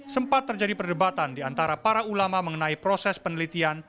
sempat terjadi perdebatan diantara para ulama mengenai proses penelitian